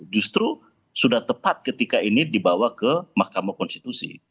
justru sudah tepat ketika ini dibawa ke mahkamah konstitusi